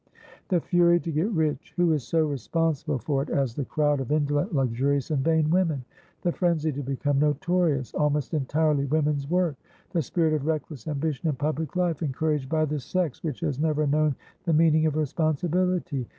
"The fury to get richwho is so responsible for it as the crowd of indolent, luxurious and vain women? The frenzy to become notoriousalmost entirely women's work. The spirit of reckless ambition in public life encouraged by the sex which has never known the meaning of responsibility.